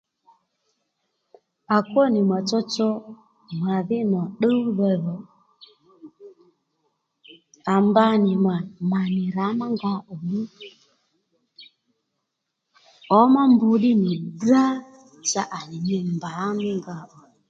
À kwó nì mà tsotso màdhí nò ddúwdha dhò à mba nì mà mà nì rǎ má nga ò ddí ǒmá mbr ddí nì ddrá cha à nì li mbà mí nga ò